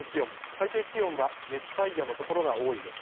最低気温は熱帯夜の所が多い予想。